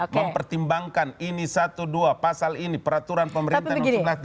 mempertimbangkan ini satu dua pasal ini peraturan pemerintah